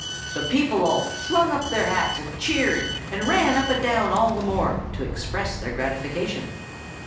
"The people all flung up their hats, and cheered, and ran up and down all the more, to express their gratification.